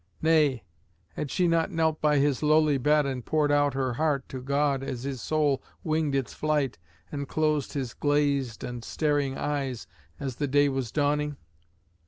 Nay, had she not knelt by his lowly bed and poured out her heart to God as his soul winged its flight, and closed his glazed and staring eyes as the day was dawning?